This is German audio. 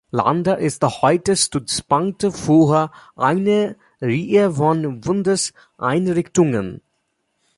Lander ist heute Stützpunkt für eine Reihe von Bundes-Einrichtungen.